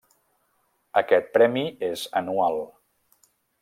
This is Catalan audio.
Aquest premi és anual.